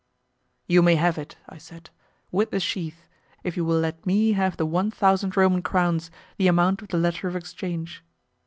"You may have it," I said, "with the sheath, if you will let me have the one thousand Roman crowns, the amount of the letter of exchange."